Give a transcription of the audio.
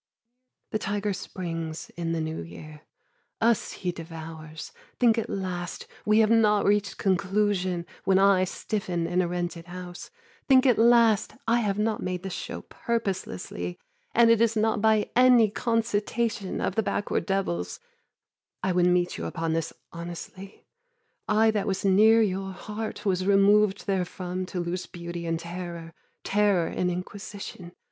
The tiger springs in the new year. Us he devours. Think at last We have not reached conclusion, when I Stiffen in a rented house. Think at last I have not made this show purposelessly And it is not by any concitation Of the backward devils. I would meet you upon this honestly. I that was near your heart was removed therefrom To lose beauty in terror, terror in inquisition.